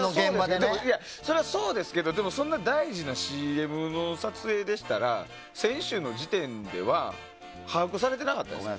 それはそうですけどそんな大事なＣＭの撮影でしたら先週の時点では把握されてなかったですか？